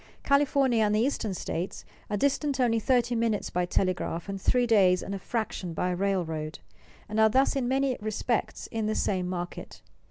California and the eastern states are distant only thirty minutes by telegraph and three days and a fraction by railroad, and are thus in many respects in the same market.